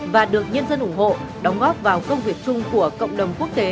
và được nhân dân ủng hộ đóng góp vào công việc chung của cộng đồng quốc tế